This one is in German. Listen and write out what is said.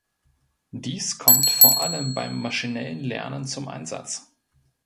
Dies kommt vor allem beim Maschinellen Lernen zum Einsatz.